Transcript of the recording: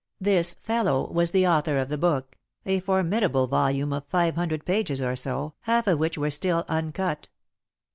"This fellow" was the author of the book — a formidable jjost jot Jjove. 9 volume of five hundred pages or so, half of which were still uncut.